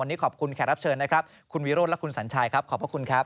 วันนี้ขอบคุณแขกรับเชิญนะครับคุณวิโรธและคุณสัญชัยครับขอบพระคุณครับ